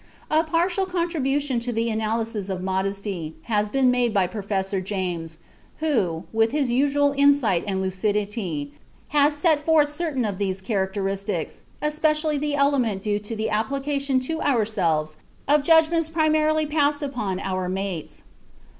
A partial contribution to the analysis of modesty has been made by Professor James, who, with his usual insight and lucidity, has set forth certain of its characteristics, especially the element due to "the application to ourselves of judgments primarily passed upon our mates."